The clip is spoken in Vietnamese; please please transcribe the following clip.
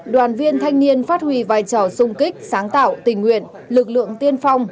đoàn viên thanh niên phát huy vai trò sung kích sáng tạo tình nguyện lực lượng tiên phong